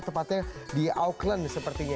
tepatnya di auckland sepertinya